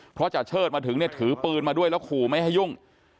เพราะจาเชิดมาถึงเนี่ยถือปืนมาด้วยแล้วขู่ไม่ให้ยุ่ง